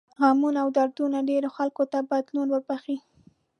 غمونه او دردونه ډېرو خلکو ته بدلون وربښي.